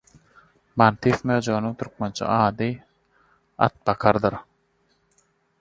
Mantis möjeginiň türkmençe ady atbakardyr